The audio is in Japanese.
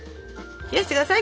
冷やして下さい。